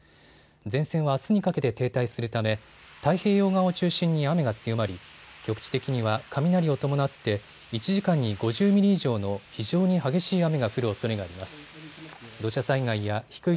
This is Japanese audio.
前線はあすにかけて停滞するため太平洋側を中心に雨が強まり、局地的には雷を伴って１時間に５０ミリ以上の非常に激しい雨が降るおそれがあります。